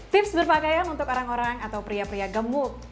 tips berpakaian untuk orang orang atau pria pria gemuk